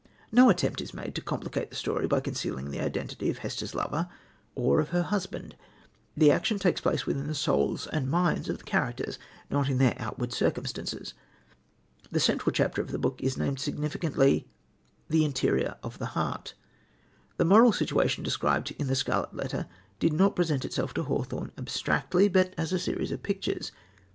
No attempt is made to complicate the story by concealing the identity of Hester's lover or of her husband. The action takes place within the souls and minds of the characters, not in their outward circumstances. The central chapter of the book is named significantly: "The Interior of a Heart." The moral situation described in The Scarlet Letter did not present itself to Hawthorne abstractly, but as a series of pictures.